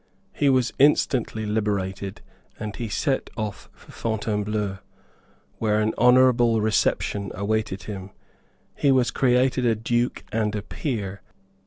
He was instantly liberated; and he set off for Fontainebleau, where an honourable reception awaited him. He was created a Duke and a Peer.